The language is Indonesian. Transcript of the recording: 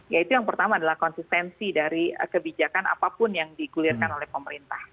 yaitu yang pertama adalah konsistensi dari kebijakan apapun yang digulirkan oleh pemerintah